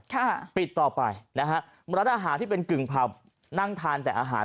มรรดาอาหารที่เป็นกึ่งผัพนั่งทานแต่อาหาร